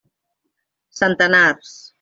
Centenars.